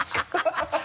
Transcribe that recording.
ハハハ